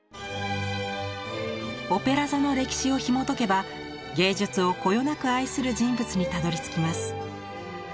オペラ座の歴史をひもとけば芸術をこよなく愛する人物にたどりつきます。